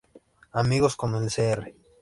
Amigo con el Sr.